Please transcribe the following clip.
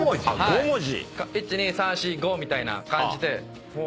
１２３４５みたいな感じで。